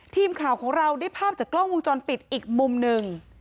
ทีมข่าวของเราได้ภาพจากกล้องวงจรปิดอีกมุมหนึ่ง